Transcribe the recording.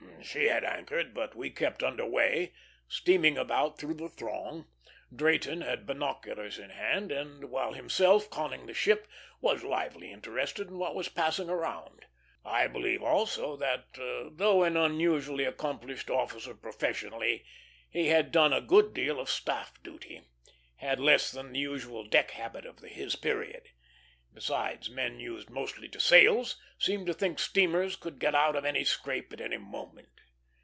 She had anchored, but we kept under way, steaming about through the throng. Drayton had binoculars in hand; and, while himself conning the ship, was livelily interested in what was passing around. I believe also that, though an unusually accomplished officer professionally, he had done a good deal of staff duty; had less than the usual deck habit of his period. Besides, men used mostly to sails seemed to think steamers could get out of any scrape at any moment.